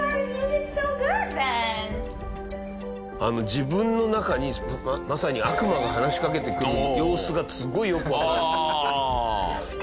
自分の中にまさに悪魔が話しかけてくる様子がすごいよくわかる。